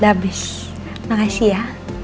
udah abis makasih ya